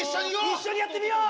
一緒にやってみよう！